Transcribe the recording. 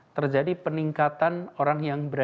terjadi peningkatan orang orang yang berpengalaman